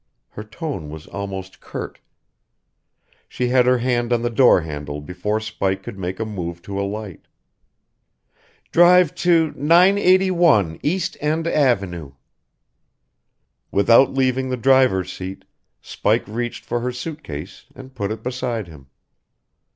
Her tone was almost curt. She had her hand on the door handle before Spike could make a move to alight. "Drive to 981 East End Avenue." Without leaving the driver's seat, Spike reached for her suit case and put it beside him.